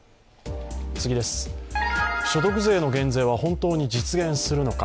所得税の減税は本当に実現するのか。